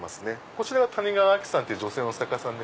こちらは谷川亜希さんって女性の作家さんで。